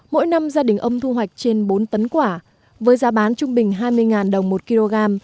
mỗi năm gia đình ông thu hoạch trên bốn tấn quả với giá bán trung bình hai mươi đồng một kg